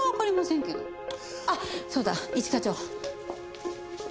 あっそうだ一課長。